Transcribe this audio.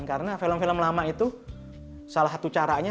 karena film film lama itu salah satu caranya